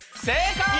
正解！